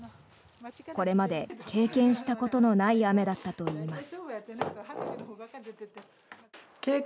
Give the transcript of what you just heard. これまで経験したことのない雨だったといいます。